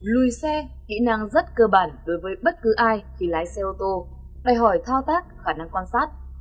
lùi xe kỹ năng rất cơ bản đối với bất cứ ai khi lái xe ô tô đòi hỏi thao tác khả năng quan sát